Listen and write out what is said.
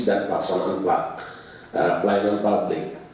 dan pelayanan publik